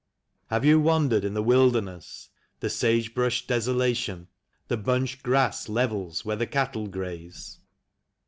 Have you wandered in the wilderness, the sage brush desolation. The bunch grass levels where the cattle graze?